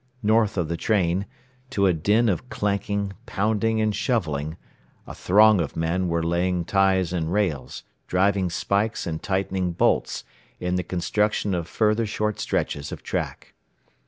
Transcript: North of the train, to a din of clanking, pounding and shoveling, a throng of men were laying ties and rails, driving spikes and tightening bolts, in the construction of further short stretches of track.